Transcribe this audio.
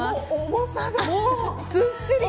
重さが。